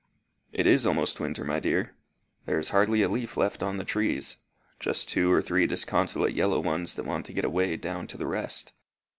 "It is almost winter, my dear. There is hardly a leaf left on the trees just two or three disconsolate yellow ones that want to get away down to the rest.